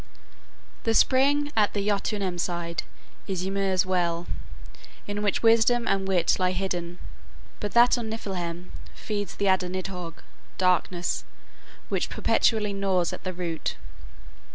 The spring at the Jotunheim side is Ymir's well, in which wisdom and wit lie hidden, but that of Niffleheim feeds the adder Nidhogge (darkness), which perpetually gnaws at the root.